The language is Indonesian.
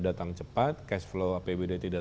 datang cepat cash flow apbd tidak